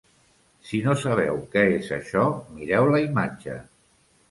Si no sabeu què és això, mireu la imatge.